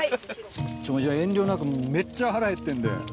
遠慮なくめっちゃ腹減ってるんで。